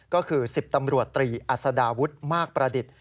ก็คือ๑๐ตำรวจตรีอัศดาวุฒิมากประดิษฐ์